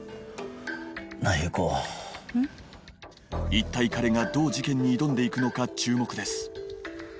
一体彼がどう事件に挑んで行くのか注目です